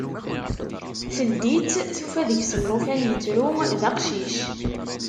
Teldi-tt, tufa deg-s llufan ittru, d aqcic.